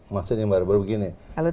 maksudnya yang baru baru begini